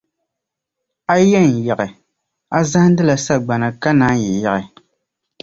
A yi yɛn yiɣi, a zahindila sagbana ka naanyi yiɣi.